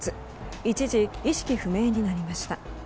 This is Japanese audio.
一時、意識不明になりました。